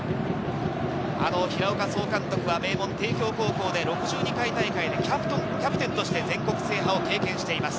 平岡総監督は、名門・帝京高校で６２回大会でキャプテンとして全国制覇を経験しています。